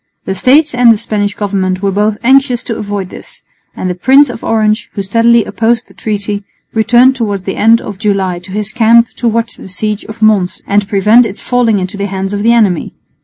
The States and the Spanish Government were both anxious to avoid this; and the Prince of Orange, who steadily opposed the treaty, returned towards the end of July to his camp to watch the siege of Mons and prevent its falling into the hands of the enemy.